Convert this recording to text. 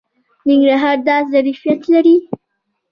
ننګرهار دا ظرفیت لري.